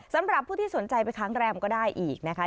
สำหรับผู้ที่สนใจไปค้างแรมก็ได้อีกนะคะ